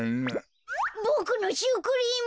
ボクのシュークリーム！